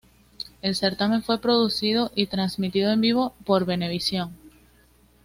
El certamen fue producido y transmitido en vivo por Venevisión.